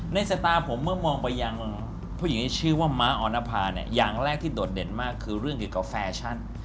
สตาร์ผมเมื่อมองไปยังผู้หญิงที่ชื่อว่าม้าออนภาเนี่ยอย่างแรกที่โดดเด่นมากคือเรื่องเกี่ยวกับแฟชั่น